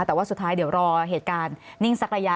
แต่ว่าสุดท้ายเดี๋ยวรอเหตุการณ์นิ่งสักระยะ